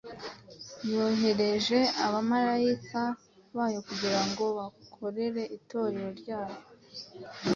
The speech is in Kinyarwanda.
Yohereje abamarayika bayo kugira ngo bakorere Itorero ryayo,